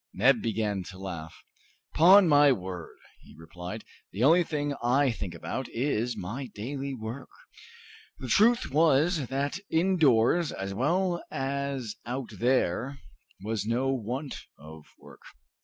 Neb began to laugh. "'Pon my word," he replied, "the only thing I think about is my daily work!" The truth was that indoors as well as out there was no want of work.